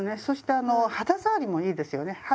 そしてあの肌触りもいいですよね。